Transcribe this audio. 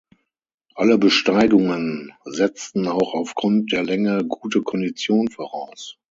Alle Besteigungen setzten auch aufgrund der Länge gute Kondition voraus.